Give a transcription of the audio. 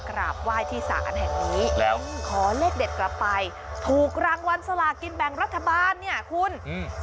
กราบไหว้ที่ศาลแห่งนี้แล้วขอเลขเด็ดกลับไปถูกรางวัลสลากินแบ่งรัฐบาลเนี่ยคุณอืม